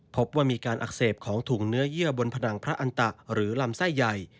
พบว่ามีการอักเสบของถุงเนื้อเยื่อบนผนังพระอันตะหรือลำไส้ใหญ่